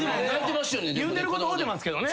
言うてること合うてますけどね。